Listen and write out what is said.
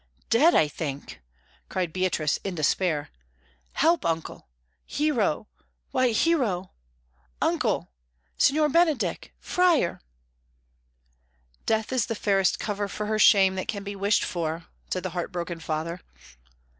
"Dead, I think," cried Beatrice in despair. "Help, uncle! Hero why, Hero! Uncle! Signor Benedick! Friar!" "Death is the fairest cover for her shame that can be wished for," said the heart broken father.